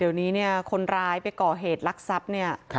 เดี๋ยวนี้เนี่ยคนร้ายไปก่อเหตุลักษัพเนี่ย